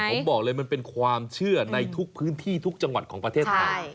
ผมบอกเลยมันเป็นความเชื่อในทุกพื้นที่ทุกจังหวัดของประเทศไทย